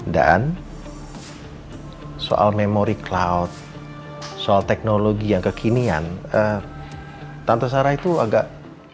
dan soal memori cloud soal teknologi yang kekinian tante sarah itu agak